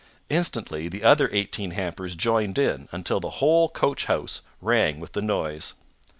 Instantly the other eighteen hampers joined in, until the whole coachhouse rang with the noise.